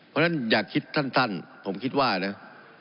เพราะฉะนั้นอย่าคิดสั้นผมคิดว่านะ